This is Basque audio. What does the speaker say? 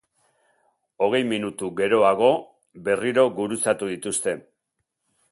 Hogei minutu geroago, berriro gurutzatu dituzte.